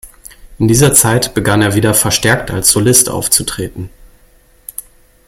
In dieser Zeit begann er wieder verstärkt als Solist aufzutreten.